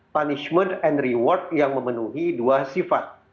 punishment and reward yang memenuhi dua sifat